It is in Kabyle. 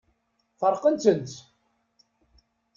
Feṛqent-tent.